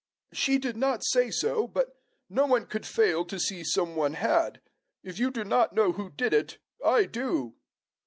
"She did not say so; but no one could fail to see some one had. If you do not know who did it, I do."